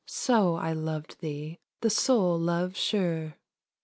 so I loved thee, The sole love sure.